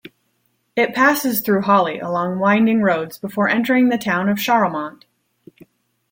It passes through Hawley along winding roads before entering the town of Charlemont.